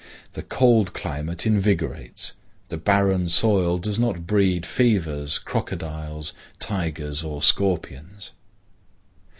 The cold climate invigorates. The barren soil does not breed fevers, crocodiles, tigers or scorpions.